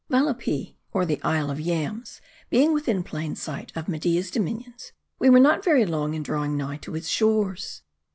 VALAPEE, or the Isle of Yams, being within plain sight of Media's dominions, we were not very long in drawing nigh to its shores.